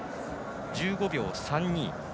１５秒３２。